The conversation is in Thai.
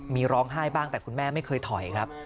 มีร้องไห้บ้างแต่คุณแม่ไม่เคยถอยครับ